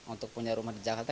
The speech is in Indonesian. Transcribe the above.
untuk punya rumah di jakarta